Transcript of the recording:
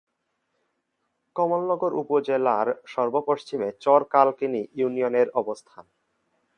কমলনগর উপজেলার সর্ব-পশ্চিমে চর কালকিনি ইউনিয়নের অবস্থান।